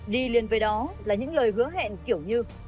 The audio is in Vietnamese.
đi liền với đó là những lời hứa hẹn kiểu như